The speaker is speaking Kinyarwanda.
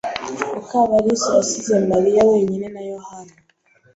Mukabarisa yasize Mariya wenyine na Yohana.